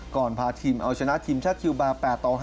พาทีมเอาชนะทีมชาติคิวบาร์๘ต่อ๕